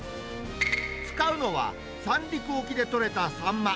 使うのは、三陸沖で取れたサンマ。